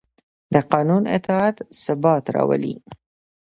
د قانون اطاعت ثبات راولي